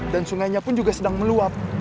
dan sungainya pun juga sedang meluap